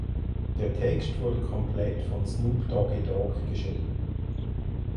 Der Text wurde komplett von Snoop Doggy Dogg geschrieben.